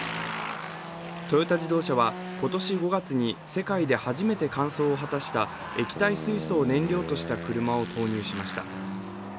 トヨタ自動車は今年５月に世界で初めて完走を果たした液体水素を燃料とした車を投入しました。